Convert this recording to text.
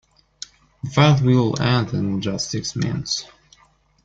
The fight will end in just six minutes.